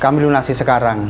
kambil ulasi sekarang